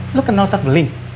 eh lu kenal ustadz beling